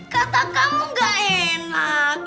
kata kamu enggak enak